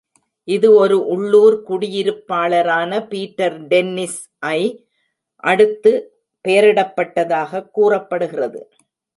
இது ஒரு உள்ளூர் குடியிருப்பாளரான பீட்டர் டென்னிஸ்-ஐ அடுத்து பெயரிடப்பட்டதாகக் கூறப்படுகிறது.